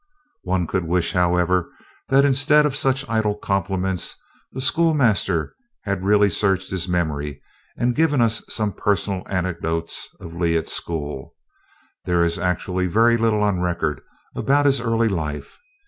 One could wish, however, that instead of such idle compliments, the schoolmaster had really searched his memory and given us some personal anecdotes of Lee at school. There is actually very little on record about his early life.